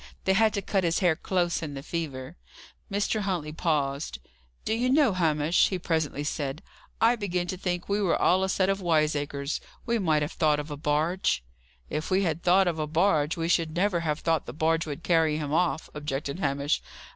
They had to cut his hair close in the fever." Mr. Huntley paused. "Do you know, Hamish," he presently said, "I begin to think we were all a set of wiseacres. We might have thought of a barge." "If we had thought of a barge, we should never have thought the barge would carry him off," objected Hamish.